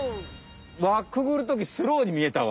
輪くぐるときスローに見えたわ。